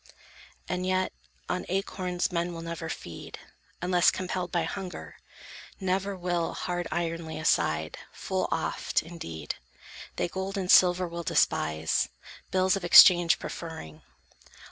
And yet, on acorns men will never feed, Unless compelled by hunger; never will Hard iron lay aside. Full oft, indeed, They gold and silver will despise, bills of Exchange preferring.